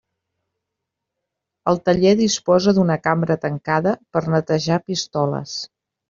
El taller disposa d'una cambra tancada per netejar pistoles.